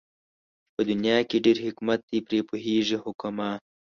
په دنيا کې ډېر حکمت دئ پرې پوهېږي حُکَما